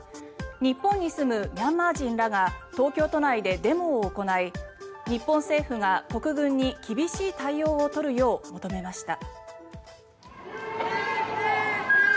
日本に住むミャンマー人らが東京都内でデモを行い日本政府が国軍に厳しい対応を取るよう求めました。